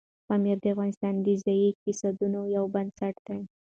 پامیر د افغانستان د ځایي اقتصادونو یو بنسټ دی.